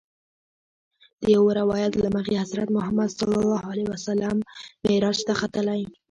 د یوه روایت له مخې حضرت محمد صلی الله علیه وسلم معراج ته ختلی.